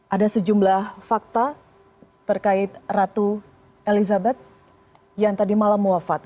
ada sejumlah fakta terkait ratu elizabeth yang tadi malam wafat